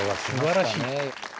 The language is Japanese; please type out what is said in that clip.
すばらしい。